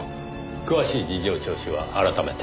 詳しい事情聴取は改めて。